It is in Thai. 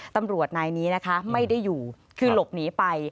ตำรวจนายนี้นะคะไม่ได้อยู่คือหลบหนีไป